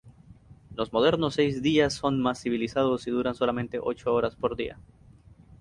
Los modernos Seis Días son más civilizados y duran solamente ocho horas por día.